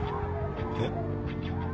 えっ？